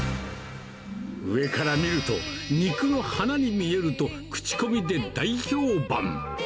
上から見ると、肉の花に見えると、口コミで大評判。